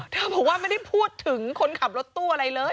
บอกว่าไม่ได้พูดถึงคนขับรถตู้อะไรเลย